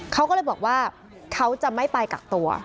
เขาก็เลยบอกว่าเขาจะไม่ไปกักตัว